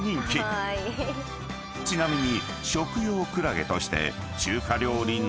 ［ちなみに］